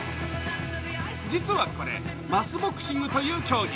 実はこれ、マスボクシングという競技。